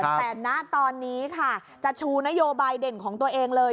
แต่ณตอนนี้ค่ะจะชูนโยบายเด่นของตัวเองเลย